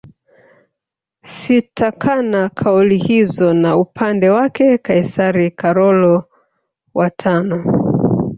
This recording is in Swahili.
Sitakana kauli hizo na Upande wake Kaisari Karolo wa tano